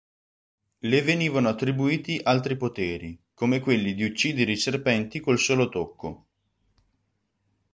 Le venivano attribuiti altri poteri, come quelli di uccidere i serpenti col solo tocco.